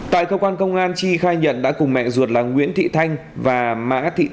tại cơ quan công an chi khai nhận đã cùng mẹ ruột là nguyễn thị thanh và mã thị